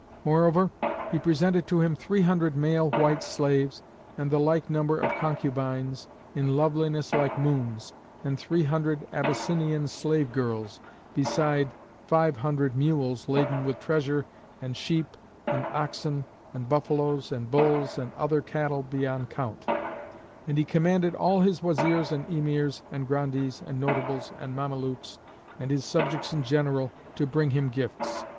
Moreover, he presented to him three hundred male white slaves and the like number of concubines, in loveliness like moons, and three hundred Abyssinian[FN#577] slave girls, beside five hundred mules laden with treasure and sheep and oxen and buffaloes and bulls and other cattle beyond count; and he commanded all his Wazirs and Emirs and Grandees and Notables and Mamelukes and his subjects in general to bring him gifts.